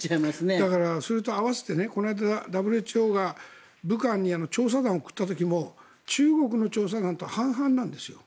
だから、それと併せてこの間、ＷＨＯが武漢に調査団を送った時も中国の調査団と半々なんですよ。